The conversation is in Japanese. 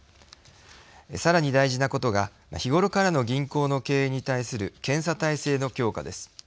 さらに大事なことが日ごろからの銀行の経営に対する検査体制の強化です。